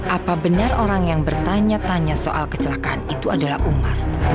apa benar orang yang bertanya tanya soal kecelakaan itu adalah umat